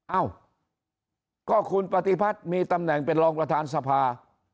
เอ้าก็คุณปฏิพัฒน์มีตำแหน่งเป็นรองประธานสภา